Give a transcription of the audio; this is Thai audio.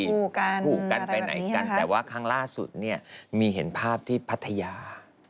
ถูกกันไปไหนกันแต่ว่าครั้งล่าสุดเนี่ยมีเห็นภาพที่พัทยา